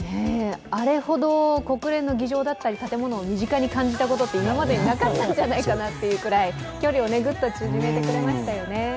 あれほど国連の議場だったり建物を身近に感じたことは、今までなかったんじゃないかというぐらい距離をね、ぐっと縮めてくれましたよね。